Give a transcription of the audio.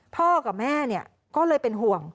พ่อกับแม่ก็เลยเป็นห่วง